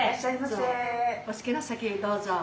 お好きな席へどうぞ。